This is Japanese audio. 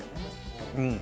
うん。